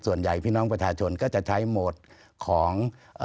พี่น้องประชาชนก็จะใช้โหมดของ